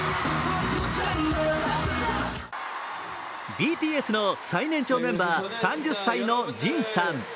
ＢＴＳの最年長メンバー、３０歳のＪＩＮさん。